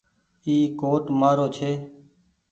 اي ڪوٽ مآ رو ڇي ۔